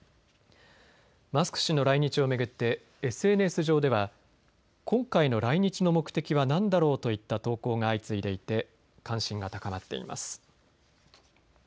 マスク氏の来日を巡ってＳＮＳ上では今回の来日の目的はなんだろうといった投稿が相次いでいて関心が高まっています。